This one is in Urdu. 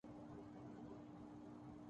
اس سرگزشت کے کئی مراحل ہیں۔